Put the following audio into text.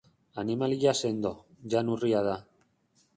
Animalia sendo, jan urria da.